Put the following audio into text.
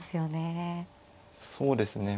そうですね。